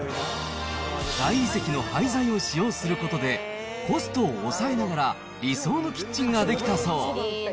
大理石の廃材を使用することで、コストを抑えながら、理想のキッチンが出来たそう。